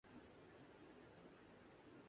کہ بچھڑ جائے گی یہ خوش بو بھی